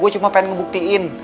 gw cuma pengen ngebuktiin